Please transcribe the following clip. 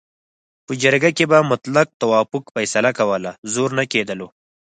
په جرګه کې به مطلق توافق فیصله کوله، زور نه کېدلو.